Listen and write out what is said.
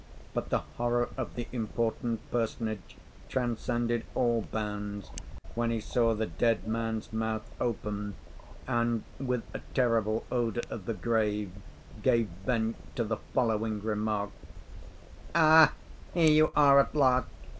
But the horror of the important personage transcended all bounds when he saw the dead man's mouth open, and, with a terrible odour of the grave, gave vent to the following remarks: "Ah, here you are at last!